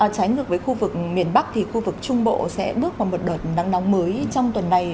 trái ngược với khu vực miền bắc thì khu vực trung bộ sẽ bước vào một đợt nắng nóng mới trong tuần này